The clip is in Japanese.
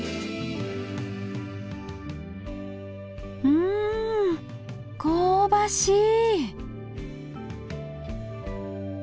うん香ばしい。